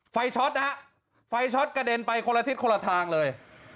ช็อตนะฮะไฟช็อตกระเด็นไปคนละทิศคนละทางเลย